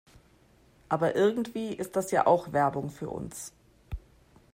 Aber irgendwie ist das ja auch Werbung für uns.